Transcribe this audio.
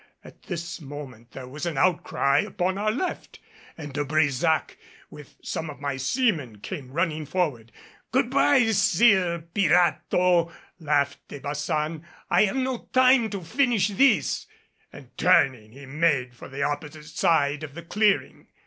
At this moment there was an outcry upon our left, and De Brésac, with some of my seamen, came running forward. "Good by, Sir Pirato!" laughed De Baçan. "I have no time to finish this " and turning, he made for the opposite side of the clearing.